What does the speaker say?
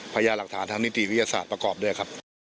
พยายามหลักฐานทางนิติวิทยาศาสตร์ประกอบด้วยครับ